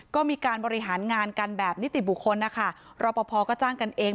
ก็มีการบริหารงานกันแบบนิติบุคคลนะคะรอปภก็จ้างกันเอง